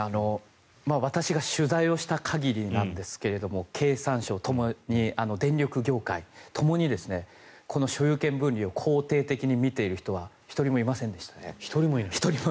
私が取材をした限りなんですが経産省、電力業界ともにこの所有権分離を肯定的に見ている人は１人もいませんでしたね。